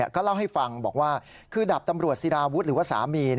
ก็เล่าให้ฟังบอกว่าคือดาบตำรวจศิราวุฒิหรือว่าสามี